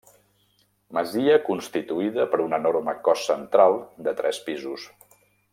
Masia constituïda per un enorme cos central de tres pisos.